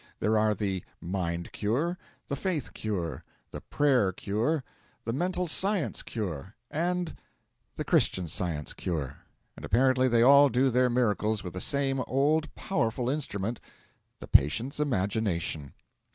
There are the Mind Cure, the Faith Cure, the Prayer Cure, the Mental Science Cure, and the Christian Science Cure; and apparently they all do their miracles with the same old powerful instrument the patient's imagination.